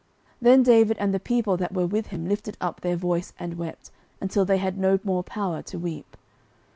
09:030:004 Then David and the people that were with him lifted up their voice and wept, until they had no more power to weep.